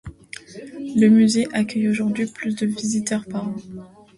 Le musée accueille aujourd'hui plus de visiteurs par an.